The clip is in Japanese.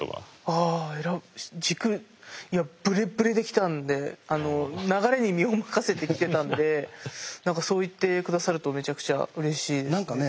ああ軸いやぶれっぶれできたんであの流れに身を任せてきてたんで何かそう言って下さるとめちゃくちゃうれしいです。